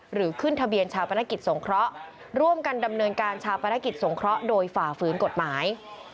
ขึ้นทะเบียนชาปนกิจสงเคราะห์ร่วมกันดำเนินการชาปนกิจสงเคราะห์โดยฝ่าฝืนกฎหมาย